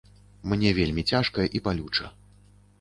Мне вельмі цяжка і балюча.